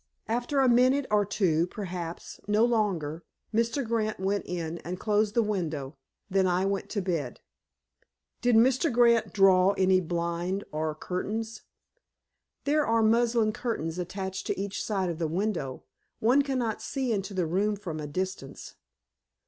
After a minute, or two, perhaps—no longer—Mr. Grant went in, and closed the window. Then I went to bed." "Did Mr. Grant draw any blind or curtains?" "There are muslin curtains attached to each side of the window. One cannot see into the room from a distance."